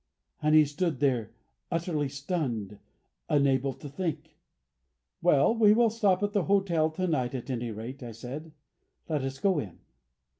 And he stood there utterly stunned; unable to think. "Well, we will stop at the hotel to night, at any rate," I said, "let us go in."